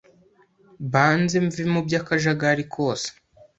mbanze mve mu bya kajagari kose